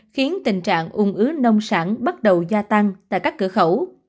khiến tình trạng ung ứ nông sản bắt đầu gia tăng tại các cửa khẩu